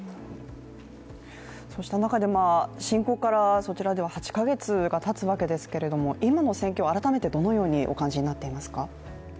そうした中で、侵攻からそちらでは８か月がたつわけですが今の戦況、改めてどのようにお感じになっていますか？